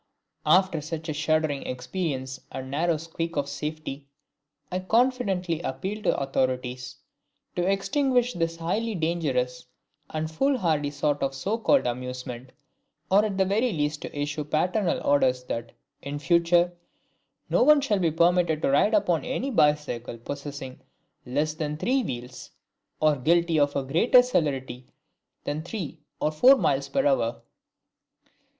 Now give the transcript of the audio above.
After such a shuddering experience and narrow squeak of my safety, I confidently appeal to the authorities to extinguish this highly dangerous and foolhardy sort of so called amusement, or at the very least to issue paternal orders that, in future, no one shall be permitted to ride upon any bicycle possessing less than three wheels, or guilty of a greater celerity than three (or four) miles per hour.